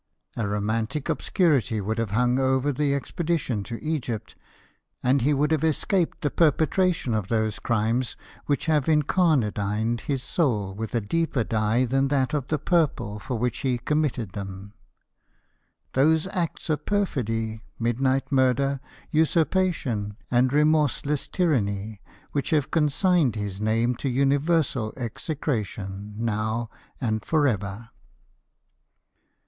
A romantic obscurity would have hung over the expedition to Egypt, and he would have escaped the perpetration of those crimes which have incarnadined his soul with a deeper dye than that of the purple for Avhich he committed them — those acts of perfidy, mid night murder, usurpation, and remorseless tyranny, which have consigned his name to universal execra tion, now and for ever.